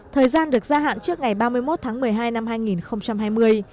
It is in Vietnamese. thời gian được gia hạn trước ngày ba mươi một tháng một mươi hai năm hai nghìn hai mươi